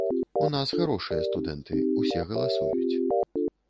У нас харошыя студэнты, усе галасуюць.